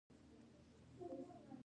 هندوکش د چاپیریال ساتنې لپاره مهم دی.